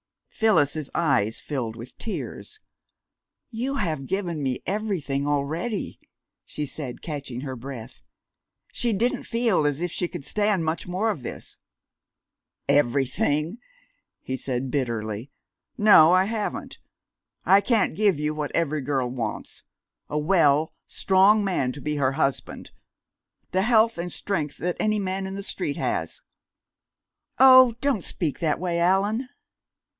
'" Phyllis's eyes filled with tears. "You have given me everything already," she said, catching her breath. She didn't feel as if she could stand much more of this. "Everything!" he said bitterly. "No, I haven't. I can't give you what every girl wants a well, strong man to be her husband the health and strength that any man in the street has." "Oh, don't speak that way, Allan!"